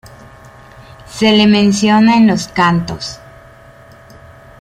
Se le menciona en los cantos.